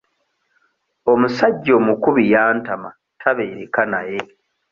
Omusajja omukubi yantama tabeereka naye.